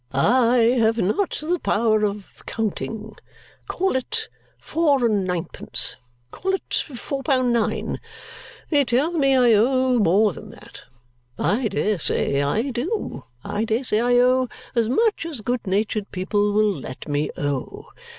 I have not the power of counting. Call it four and ninepence call it four pound nine. They tell me I owe more than that. I dare say I do. I dare say I owe as much as good natured people will let me owe.